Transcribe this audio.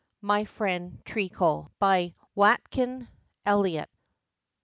_) MY FRIEND TREACLE. WATKIN ELLIOTT.